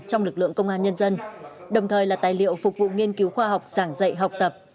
trong lực lượng công an nhân dân đồng thời là tài liệu phục vụ nghiên cứu khoa học sảng dạy học tập